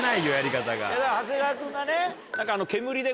長谷川君がね。